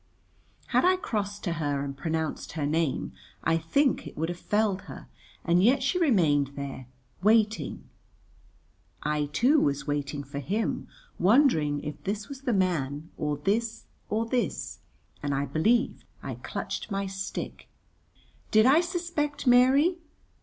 Had I crossed to her and pronounced her name I think it would have felled her, and yet she remained there, waiting. I, too, was waiting for him, wondering if this was the man, or this, or this, and I believe I clutched my stick. Did I suspect Mary?